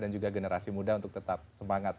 dan juga generasi muda untuk tetap semangat